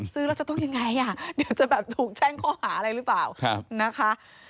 ซื้อแล้วจะต้องยังไงจะถูกแช่งคอหาอะไรหรือเปล่านะคะ